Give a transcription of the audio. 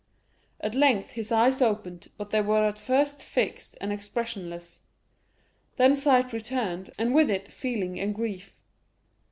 At length his eyes opened, but they were at first fixed and expressionless; then sight returned, and with it feeling and grief.